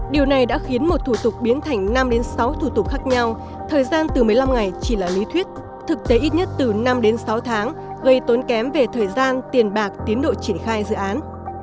điều này đã khiến một thủ tục biến thành năm đến sáu thủ tục khác nhau thời gian từ một mươi năm ngày chỉ là lý thuyết thực tế ít nhất từ năm đến sáu tháng gây tốn kém về thời gian tiền bạc tiến độ triển khai dự án